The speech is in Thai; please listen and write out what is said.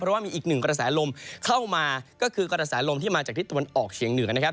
เพราะว่ามีอีกหนึ่งกระแสลมเข้ามาก็คือกระแสลมที่มาจากทิศตะวันออกเฉียงเหนือนะครับ